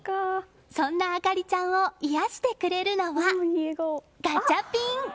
そんな朱里ちゃんを癒やしてくれるのはガチャピン。